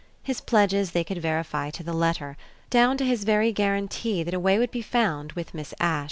His pledges they could verify to the letter, down to his very guarantee that a way would be found with Miss Ash.